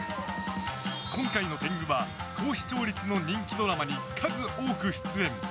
今回の天狗は、高視聴率の人気ドラマに数多く出演。